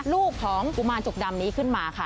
ลูกของกุมารจุกดำนี้ขึ้นมาค่ะ